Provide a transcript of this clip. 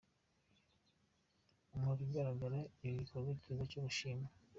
Mu bigaragara ni igikorwa cyiza cyo gushimwa”.